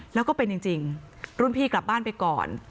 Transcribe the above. แล้วก็เป็นจริงรุ่นพี่กลับบ้านไปก่อน